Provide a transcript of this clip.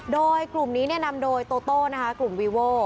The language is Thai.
โดยกลุ่มนี้นำโดยโตโต้นะคะกลุ่มวีโว่